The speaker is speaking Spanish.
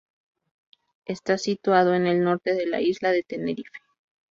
Está situado en el norte de la isla de Tenerife.